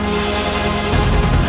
akibat jurus itu